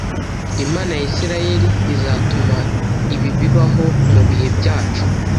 Imana ya Isirayeli izatuma ibi bibaho mu bihe byacu.